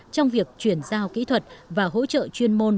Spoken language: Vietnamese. trong việc chuyển giao kỹ thuật và hỗ trợ chuyên môn